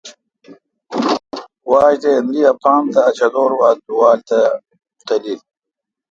واجتے° ایندری اپان تہ اچدور وا دووال تہ تلیل۔